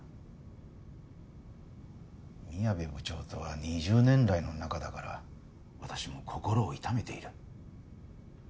宮部部長とは２０年来の仲だから私も心を痛めている。